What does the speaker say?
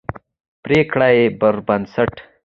پرېکړې پربنسټ